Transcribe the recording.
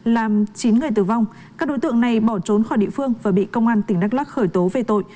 làm chín người tử vong các đối tượng này bỏ trốn khỏi địa phương và bị công an tỉnh đắk lắc khởi tố về tội